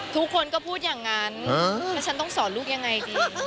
ทุกคนก็พูดอย่างนั้นแล้วฉันต้องสอนลูกยังไงดี